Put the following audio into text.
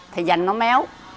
thì vành nó méo